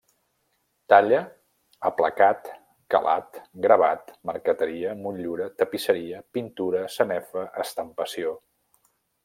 Talla, aplacat, calat, gravat, marqueteria, motllura, tapisseria, pintura, sanefa, estampació.